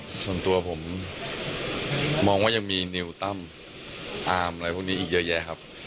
ส่วนตัวผมมองว่ายังมีนิวตั้มอาร์มอะไรพวกนี้อีกเยอะแยะครับ